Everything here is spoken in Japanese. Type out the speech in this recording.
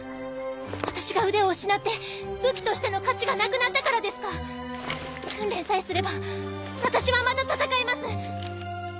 ⁉私が腕を失って武器としての価値がなくなったからですか⁉訓練さえすれば私はまだ戦えます！